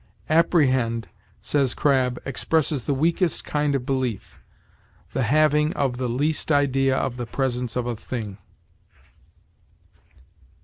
"Apprehend," says Crabb, "expresses the weakest kind of belief, the having [of] the least idea of the presence of a thing."